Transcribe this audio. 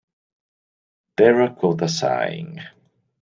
Terracotta Sighing.